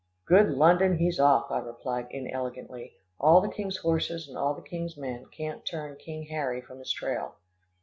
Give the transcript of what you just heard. "Good London, he's off," I replied inelegantly; "all the king's horses and all the king's men can't turn King Harry from his trail."